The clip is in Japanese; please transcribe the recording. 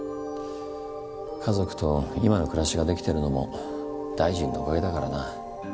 家族と今の暮らしができてるのも大臣のおかげだからな。